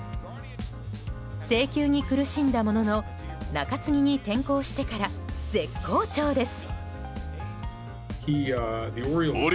制球に苦しんだものの中継ぎに転向してから絶好調です。